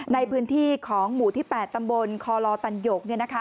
ในพื้นที่ของหมู่ที่๘ตำบลคอลอตันหยก